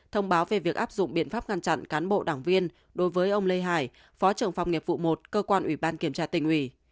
thông báo về việc áp dụng biện pháp ngăn chặn cán bộ đảng viên đối với ông lê hải phó trưởng phòng nghiệp vụ một cơ quan ủy ban kiểm tra tỉnh ủy